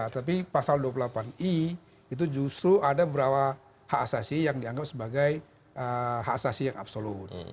tapi pasal dua puluh delapan i itu justru ada beberapa hak asasi yang dianggap sebagai hak asasi yang absolut